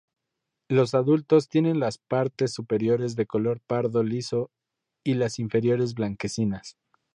Los adultos tienen las partes superiores de color pardo liso y las inferiores blanquecinas.